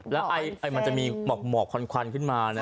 แล้วมันจะมีหมอกควันขึ้นมา